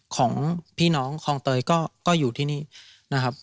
ของพี่น้องคลองเตยก็อยู่ที่นี่นะครับ